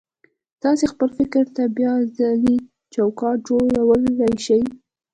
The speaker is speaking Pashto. تاسې خپل فکر ته بيا ځلې چوکاټ جوړولای شئ.